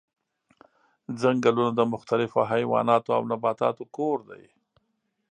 ځنګلونه د مختلفو حیواناتو او نباتاتو کور دي.